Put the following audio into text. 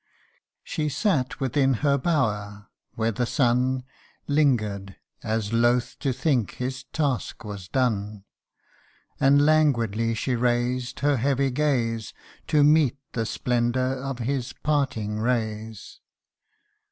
" She sat within her bower, where the sun Linger'd, as loth to think his task was done : And languidly she raised her heavy gaze, To meet the splendour of his parting rays.